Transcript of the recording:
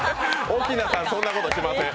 奧菜さん、そんなことしません。